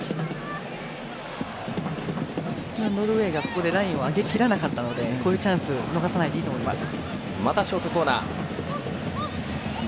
ノルウェーがここでラインを上げきらなかったのでこういうチャンス逃さないでいいと思います。